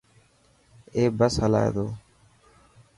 اي بس هلائي تو.